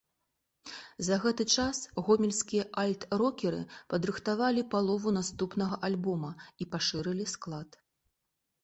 За гэты час гомельскія альт-рокеры падрыхтавалі палову наступнага альбома і пашырылі склад.